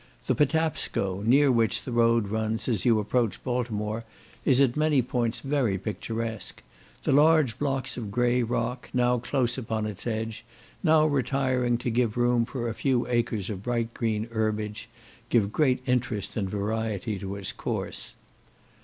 The Potapsco, near which the road runs, as you approach Baltimore, is at many points very picturesque. The large blocks of grey rock, now close upon its edge, and now retiring to give room for a few acres of bright green herbage, give great interest and variety to its course.